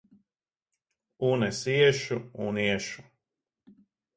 Un es iešu un iešu!